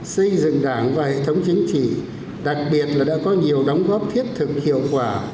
xây dựng đảng và hệ thống chính trị đặc biệt là đã có nhiều đóng góp thiết thực hiệu quả